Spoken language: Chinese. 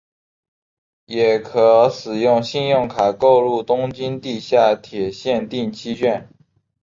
也可使用信用卡购入东京地下铁线定期券。